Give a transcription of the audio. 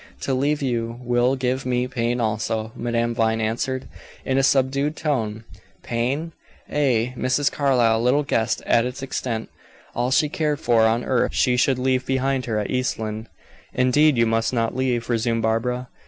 "To leave you will give me pain also," Madame Vine answered, in a subdued tone. Pain? Ay. Mrs. Carlyle little guessed at its extent. All she cared for on earth she should leave behind her at East Lynne. "Indeed you must not leave," resumed Barbara.